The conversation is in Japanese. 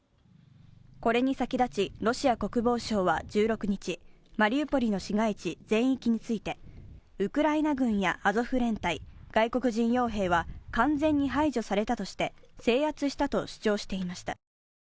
これに先立ちロシア国防省は１６日、マリウポリの市街地全域について、ウクライナ軍やアゾフ連隊、外国人よう兵は完全に排除されたとして、制圧したと主張していました。